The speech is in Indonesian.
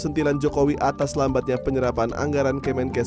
ketika penyelenggaraan covid sembilan belas